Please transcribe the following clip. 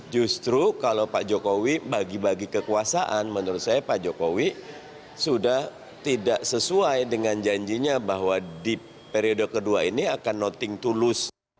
justru kalau pak jokowi bagi bagi kekuasaan menurut saya pak jokowi sudah tidak sesuai dengan janjinya bahwa di periode kedua ini akan nothing to lose